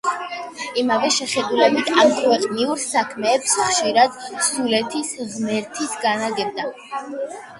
იმავე შეხედულებით ამქვეყნიურ საქმეებს ხშირად „სულეთის“ ღმერთიც განაგებდა.